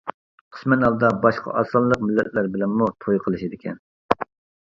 قىسمەن ھالدا باشقا ئاز سانلىق مىللەتلەر بىلەنمۇ توي قىلىشىدىكەن.